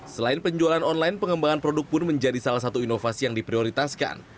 selain penjualan online pengembangan produk pun menjadi salah satu inovasi yang diprioritaskan